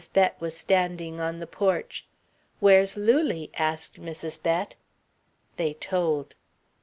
Bett was standing on the porch. "Where's Lulie?" asked Mrs. Bett. They told.